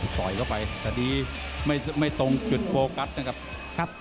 ต่อยเข้าไปตอนนี้ไม่ตรงจุดโฟกัสนะครับ